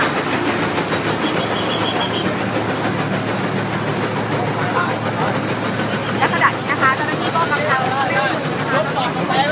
สวัสดีครับ